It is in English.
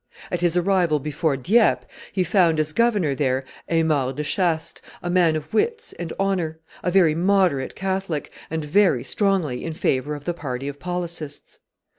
At his arrival before Dieppe, he found as governor there Aymar de Chastes, a man of wits and honor, a very moderate Catholic, and very strongly in favor of the party of policists.